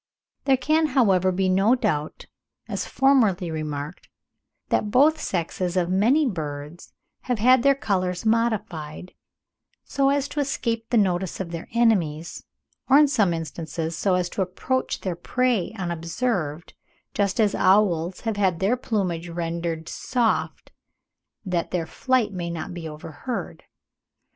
There can, however, be no doubt, as formerly remarked, that both sexes of many birds have had their colours modified, so as to escape the notice of their enemies; or in some instances, so as to approach their prey unobserved, just as owls have had their plumage rendered soft, that their flight may not be overheard.